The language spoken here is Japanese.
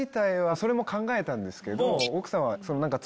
それも考えたんですけど。